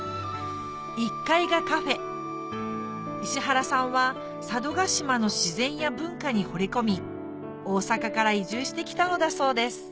１階がカフェ石原さんは佐渡島の自然や文化にほれ込み大坂から移住してきたのだそうです